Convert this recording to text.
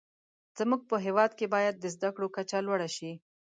زموږ په هیواد کې باید د زده کړو کچه لوړه شې.